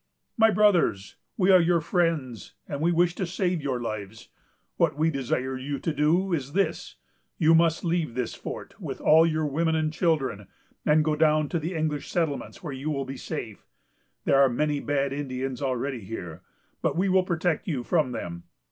"My Brothers, we are your friends, and we wish to save your lives. What we desire you to do is this: You must leave this fort, with all your women and children, and go down to the English settlements, where you will be safe. There are many bad Indians already here; but we will protect you from them.